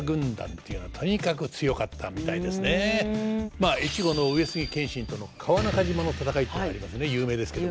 まあ越後の上杉謙信との川中島の戦いっていうのありますね有名ですけど。